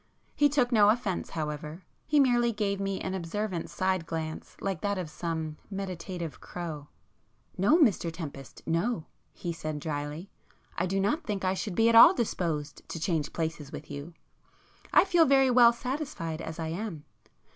He took no offence however,—he merely gave me an observant side glance like that of some meditative crow. "No Mr Tempest, no"—he said drily—"I do not think I should at all be disposed to change places with you. I feel very well satisfied as I am.